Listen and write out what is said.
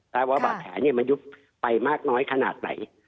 ว่าบาดแผลมันยุบไปมากน้อยขนาดไหน